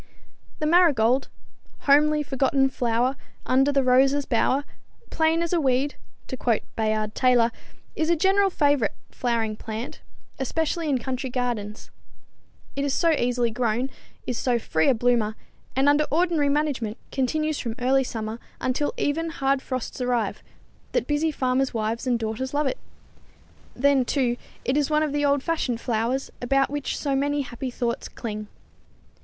The marigold, "homely forgotten flower, under the rose's bower, plain as a weed," to quote Bayard Taylor, is a general favorite flowering plant, especially in country gardens. It is so easily grown, is so free a bloomer, and under ordinary management continues from early summer until even hard frosts arrive, that busy farmers wives and daughters love it. Then, too, it is one of the old fashioned flowers, about which so many happy thoughts cling.